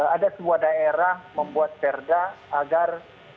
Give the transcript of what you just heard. ada sebuah daerah membuat perda agar